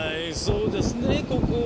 そうですね国王。